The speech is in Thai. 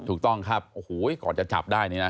ถูกต้องครับโอ้โหก่อนจะจับได้นี่นะ